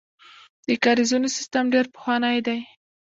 د کاریزونو سیسټم ډیر پخوانی دی